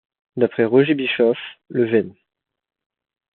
D'après Roger Bischof, le Vén.